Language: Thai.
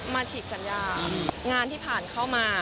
ฉีกสัญญางานที่ผ่านเข้ามา